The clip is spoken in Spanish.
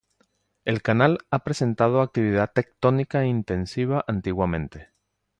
El canal ha presentado actividad tectónica intensiva antiguamente.